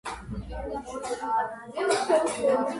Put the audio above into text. წარსულში გონება ტრადიციულად უკავშირდებოდა კეთილდღეობას და ღვთაებას.